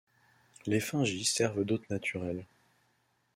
Les Fungi servent d'hôtes naturels.